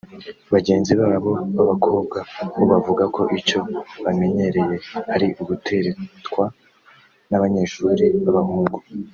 bagenzi babo b’abakobwa bo bavuga ko icyo bamenyereye ari uguteretwa n’abanyeshuri b’abahungu